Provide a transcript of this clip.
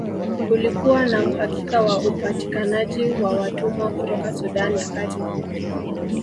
Kulikuwa na uhakika wa upatikanaji wa watumwa kutoka Sudan ya Kati